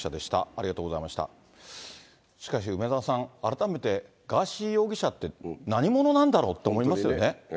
しかし、梅沢さん、改めてガーシー容疑者って何者なんだろうって思いますよね。